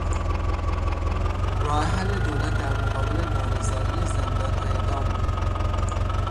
راه حل دولت در مقابل نارضایی زندان و اعدام بود.